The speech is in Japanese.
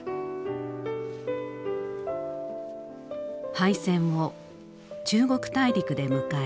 敗戦を中国大陸で迎え引き揚げ。